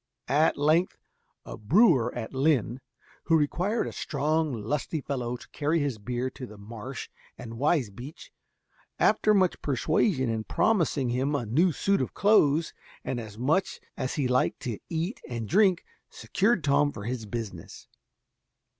At length a brewer at Lynn, who required a strong lusty fellow to carry his beer to the Marsh and to Wisbeach, after much persuasion, and promising him a new suit of clothes and as much as he liked to eat and drink, secured Tom for his business.